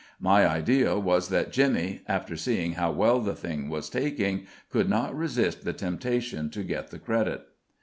My idea was that Jimmy, after seeing how well the thing was taking, could not resist the temptation to get the credit.